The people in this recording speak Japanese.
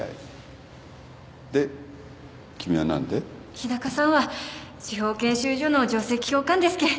日高さんは司法研修所の上席教官ですけん。